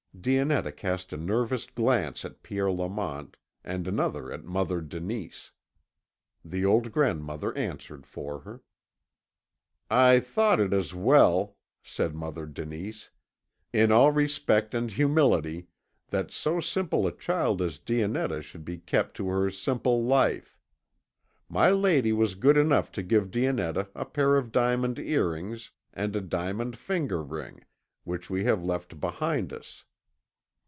Dionetta cast a nervous glance at Pierre Lamont, and another at Mother Denise. The old grandmother answered for her. "I thought it as well," said Mother Denise, "in all respect and humility, that so simple a child as Dionetta should be kept to her simple life. My lady was good enough to give Dionetta a pair of diamond earrings and a diamond finger ring, which we have left behind us."